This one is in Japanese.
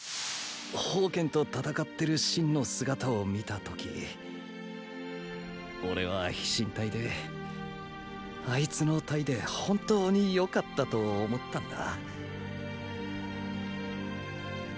煖と戦ってる信の姿を見た時俺は飛信隊であいつの隊で本当によかったと思ったんだ。